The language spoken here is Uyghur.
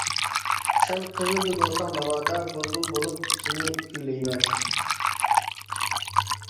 سەن قىزىل گۈل بولساڭ ناۋادا، بۇلبۇل بولۇپ سېنى كۈيلەيمەن.